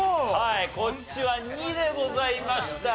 こっちは２でございました。